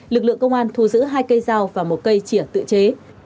lực lượng công an thu giữ hai cây dao và một cây chĩa tự chế